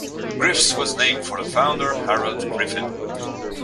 Griff's was named for the founder, Harold Griffin.